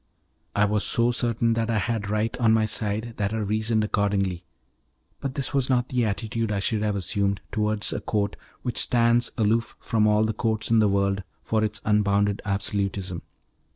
I was so certain that I had right on my side, that I reasoned accordingly; but this was not the attitude I should have assumed towards a court which stands aloof from all the courts in the world for its unbounded absolutism.